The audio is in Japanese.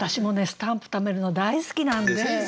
スタンプ貯めるの大好きなんで。